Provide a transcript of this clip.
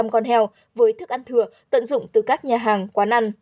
một bảy trăm linh con heo với thức ăn thừa tận dụng từ các nhà hàng quán ăn